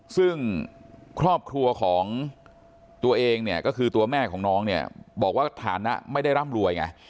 ซึ่งครอบครัวของตัวเองเนี่ยก็คือตัวแม่ของน้องเนี่ยบอกว่าฐานะไม่ได้ร่ำรวยไง